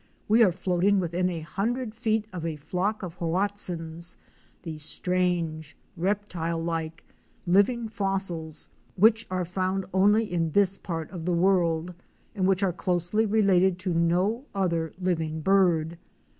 We are floating within a hundred feet of a flock of Hoatzins"— the strange reptile like, living fossils which are found only in this part of the world, and which are closely related to no other living bird.